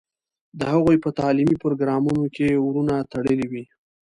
د هغوی په تعلیمي پروګرامونو کې ورونه تړلي وي.